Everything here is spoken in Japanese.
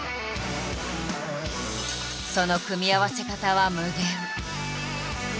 その組み合わせ方は無限。